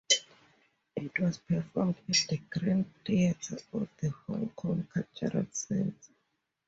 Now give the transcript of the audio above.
It was performed at the Grand Theatre of the Hong Kong Cultural Centre.